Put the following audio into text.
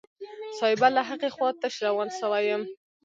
صايبه له هغې خوا تش روان سوى يم.